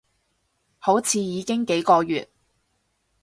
好似已經幾個月